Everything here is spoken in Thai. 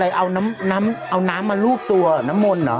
แล้วเขาทำอะไรเอาน้ำมารูปตัวน้ำมนต์เหรอ